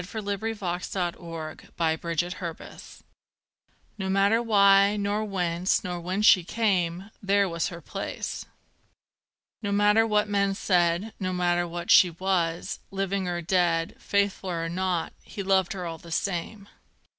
The Story of the Ashes and the Flame No matter why, nor whence, nor when she came, There was her place. No matter what men said, No matter what she was; living or dead, Faithful or not, he loved her all the same.